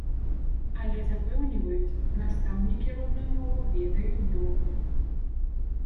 Але запэўніваюць, настаўнікі родную мову ведаюць добра.